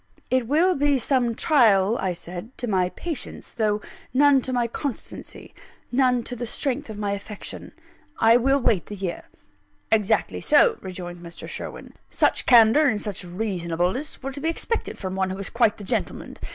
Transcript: "It will be some trial," I said, "to my patience, though none to my constancy, none to the strength of my affection I will wait the year." "Exactly so," rejoined Mr. Sherwin; "such candour and such reasonableness were to be expected from one who is quite the gentleman.